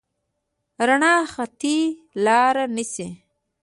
رڼا خطي لاره نیسي.